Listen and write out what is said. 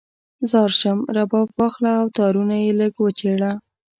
ځار شم، رباب واخله او تارونه یې لږ وچیړه